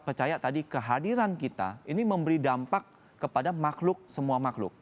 dan percaya tadi kehadiran kita ini memberi dampak kepada makhluk semua makhluk